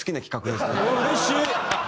うれしい！